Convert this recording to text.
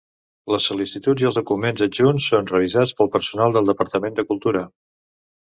Les sol·licituds i els documents adjunts són revisats pel personal del Departament de Cultura.